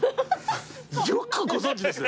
よくご存じですね！